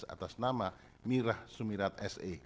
atas nama mirah sumirat se